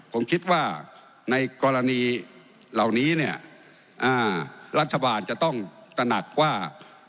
ผมคิดว่าในกรณีเหล่านี้เนี่ยรัฐบาลจะต้องตระหนักว่า